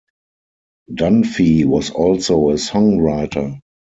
Dunphy was also a songwriter.